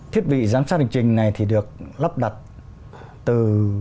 thiết bị giám sát hình trình này thì được lắp đặt từ hai nghìn một mươi một